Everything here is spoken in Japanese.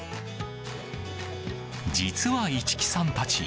実は市来さんたち